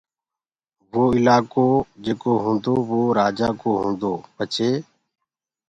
وو الآڪو جيڪو هوٚندو وو رآجآ ڪو، هوندو پڇي